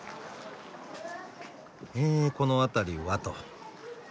えこの辺りはと。